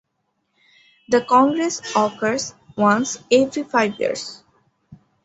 The congress occurs once every five years.